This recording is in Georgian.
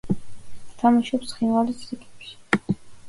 თამაშობს „ცხინვალის“ რიგებში.